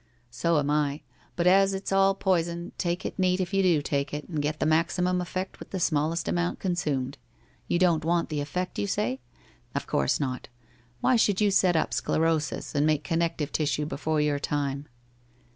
' So am I. But as it's all poison, take it neat if you do take it, and get the maximum of effect with the small est amount consumed. You don't want the effect, you say? Of course not. Why should you set up sclerosis and make connective tissue before your time?'